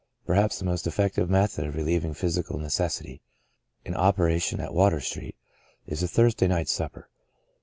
PERHAPS the most effective method of relieving physical necessity, in opera tion at Water Street, is the Thursday night supper.